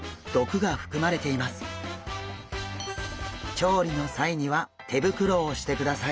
調理の際には手袋をしてください。